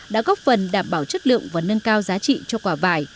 đã góp phần đảm bảo chất lượng và nâng cao giá trị cho quả vải